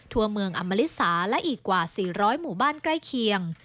ทั่วเมืองอมริสาและอีกกว่า๔๐๐หมู่บ้านใกล้เคียง